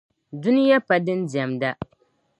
Duniya pa din diɛmda